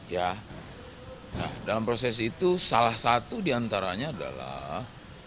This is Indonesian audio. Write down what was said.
ya dalam proses itu salah satu diantaranya adalah